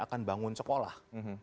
akan bangun sekolah